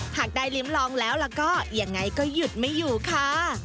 หากได้ลิ้มลองแล้วแล้วก็ยังไงก็หยุดไม่อยู่ค่ะ